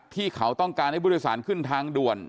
ที่เขาต้องการให้ผู้โดยสารขึ้นทางด่วน